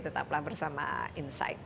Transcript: tetaplah bersama insight